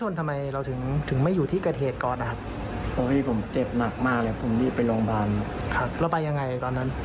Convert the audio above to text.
แล้วเราได้พูดคุยกับผู้เสียหายอย่างไรบ้างครับบ้านต้น